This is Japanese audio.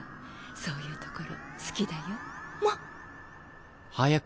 そういうところ好きだよ。